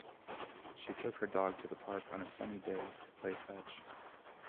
She took her dog to the park on a sunny day to play fetch.